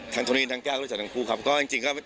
ทั้งทุนินทั้งแก้วรู้จักทั้งคู่ครับ